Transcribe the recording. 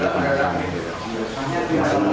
makanya kita harus mendukungnya